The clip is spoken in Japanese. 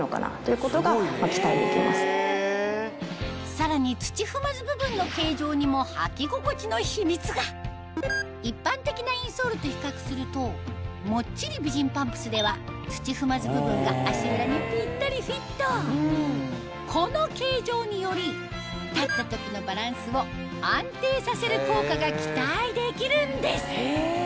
さらに土踏まず部分の形状にもはき心地の秘密が一般的なインソールと比較するともっちり美人パンプスでは土踏まず部分が足裏にぴったりフィットこの形状により立った時のバランスを安定させる効果が期待できるんです